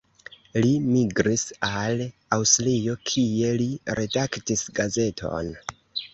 Li migris al Aŭstrio, kie li redaktis gazeton.